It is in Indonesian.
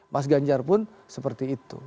mas ganjar pun seperti itu